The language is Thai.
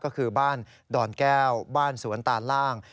ก็คือบ้านดอนแก้วบ้านสวนตานล่าง